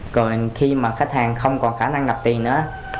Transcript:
còn khi mà khách hàng không còn khả năng nạp tiền nữa